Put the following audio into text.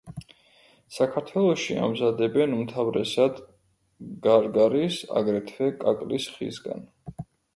საქართველოში ამზადებენ უმთავრესად გარგარის, აგრეთვე კაკლის ხისგან.